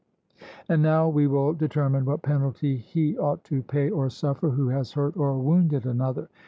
And now we will determine what penalty he ought to pay or suffer who has hurt or wounded another.